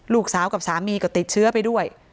ลูกสาวกับสามีก็ติดเชื้อไปด้วย